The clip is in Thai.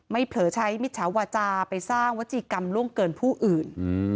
เผลอใช้มิจฉาจาไปสร้างวัจจีกรรมล่วงเกินผู้อื่น